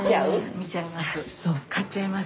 見ちゃいます。